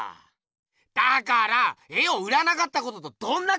だから絵を売らなかったこととどんなかんけいがあんの？